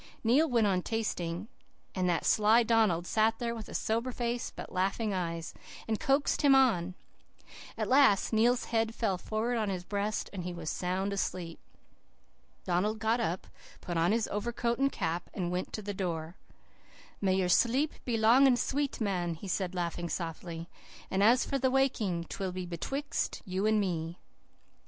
"Neil went on 'tasting,' and that sly Donald sat there with a sober face, but laughing eyes, and coaxed him on. At last Neil's head fell forward on his breast, and he was sound asleep. Donald got up, put on his overcoat and cap, and went to the door. "'May your sleep be long and sweet, man,' he said, laughing softly, 'and as for the waking, 'twill be betwixt you and me.